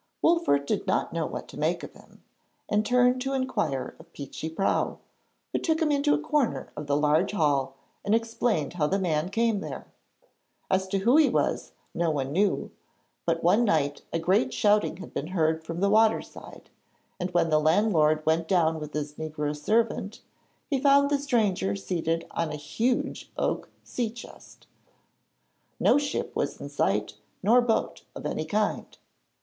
Wolfert did not know what to make of him, and turned to inquire of Peechy Prauw, who took him into a corner of the large hall and explained how the man came there. As to who he was, no one knew; but one night a great shouting had been heard from the water side, and when the landlord went down with his negro servant he found the stranger seated on a huge oak sea chest. No ship was in sight, nor boat of any kind.